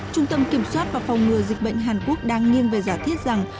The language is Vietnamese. trung tâm kiểm soát và phòng ngừa dịch bệnh hàn quốc đang nghiêng về giả thiết rằng